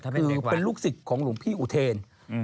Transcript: คือเป็นลูกศิษย์ของหลวงพี่อุเทน